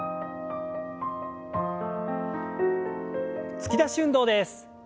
突き出し運動です。